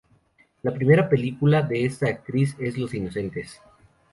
La primera película de esta actriz es "Los inocentes".